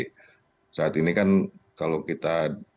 jadi saat ini kan kalau kita